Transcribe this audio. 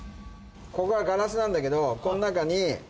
ここはガラスなんだけどこの。